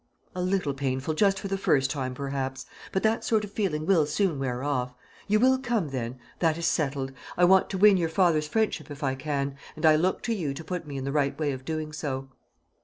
"A little painful just for the first time, perhaps. But that sort of feeling will soon wear off. You will come, then? That is settled. I want to win your father's friendship if I can, and I look to you to put me in the right way of doing so."